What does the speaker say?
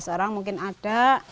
lima belas orang mungkin ada